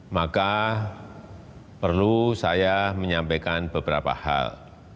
maka perlu saya menyampaikan beberapa hal